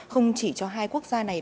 không chỉ cho hai quốc gia này